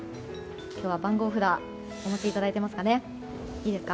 今日は番号札をお持ちいただいていますかね。